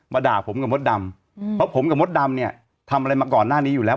ด่าผมกับมดดำเพราะผมกับมดดำเนี่ยทำอะไรมาก่อนหน้านี้อยู่แล้ว